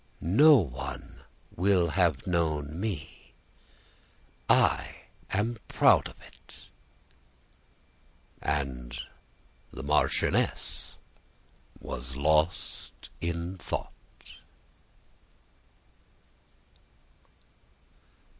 No one will have known me! I am proud of it." And the marchioness was lost in thought.